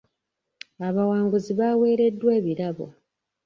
Abawanguzi baawereddwa ebirabo.